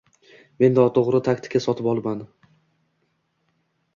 Men noto'g'ri taktika sotib olaman